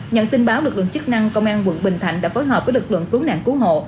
nhận tin báo lực lượng chức năng công an quận bình thạnh đã phối hợp với lực lượng cứu nạn cứu hộ